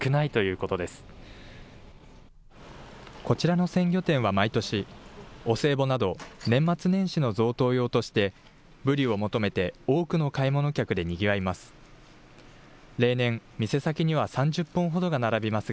こちらの鮮魚店は毎年、お歳暮など年末年始の贈答用として、ブリを求めて、多くの買い物客でにぎわいます。